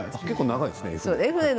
結構長いですね絵筆。